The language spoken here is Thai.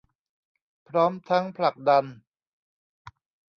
พร้อมทั้งผลักดัน